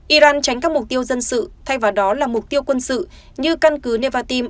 iran tránh các mục tiêu dân sự thay vào đó là mục tiêu quân sự như căn cứ nevatim